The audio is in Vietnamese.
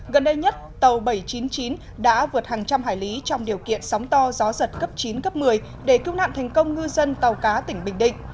gần đây nhất tàu bảy trăm chín mươi chín đã vượt hàng trăm hải lý trong điều kiện sóng to gió giật cấp chín cấp một mươi để cứu nạn thành công ngư dân tàu cá tỉnh bình định